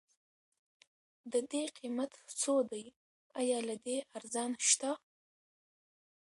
ددې قيمت څو دی؟ ايا له دې ارزان شته؟